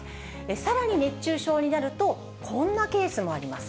さらに、熱中症になると、こんなケースもあります。